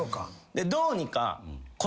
どうにか。